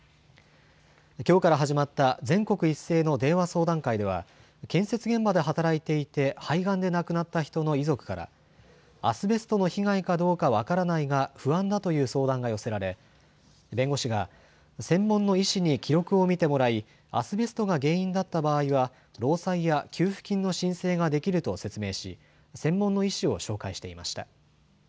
きょうから始まった全国一斉の電話相談会では建設現場で働いていて肺がんで亡くなった人の遺族からアスベストの被害かどうか分からないが不安だという相談が寄せられ弁護士は専門の医師に記録を見てもらいアスベストが原因だった場合は労災や給付金の申請ができると説明し専門の医師を紹介していました。